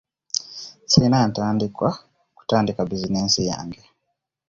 Sirina ntandikwa kutandika bizinensi yange.